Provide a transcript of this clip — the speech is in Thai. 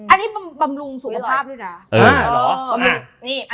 อันนี้บำรุงสุขภาพด้วยนะ